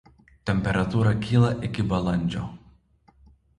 Temperatūra kyla iki balandžio.